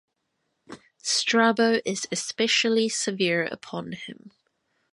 Strabo is especially severe upon him.